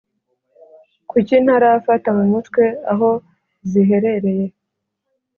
Kuki ntarafata mu mutwe aho ziherereye